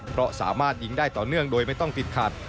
เพราะสามารถยิงได้ต่อเนื่องโดยไม่ต้องติดขัด